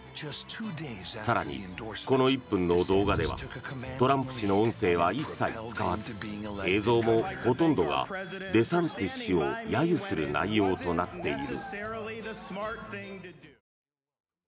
更に、この１分の動画ではトランプ氏の音声は一切使わず映像もほとんどがデサンティス氏を揶揄する内容となっている。